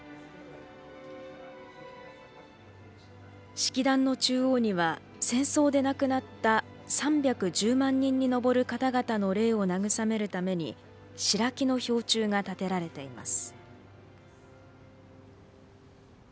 式壇の中央には戦争で亡くなった３１０万人に上る方々の霊を慰めるために白木の標柱が立てられています。